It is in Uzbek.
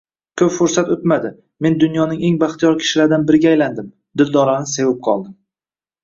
Koʻp fursat oʻtmadi, men dunyoning eng baxtiyor kishilaridan biriga aylandim – Dildorani sevib qoldim.